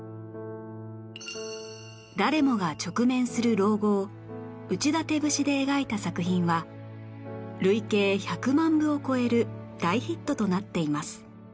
誰もが直面する老後を内館節で描いた作品は累計１００万部を超える大ヒットとなっています